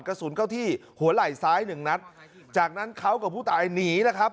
กระสุนเข้าที่หัวไหล่ซ้ายหนึ่งนัดจากนั้นเขากับผู้ตายหนีนะครับ